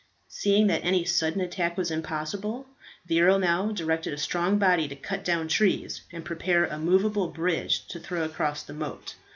Seeing that any sudden attack was impossible, the earl now directed a strong body to cut down trees, and prepare a movable bridge to throw across the moat.